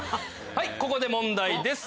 ここで問題です。